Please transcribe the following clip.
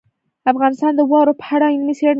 افغانستان د واوره په اړه علمي څېړنې لري.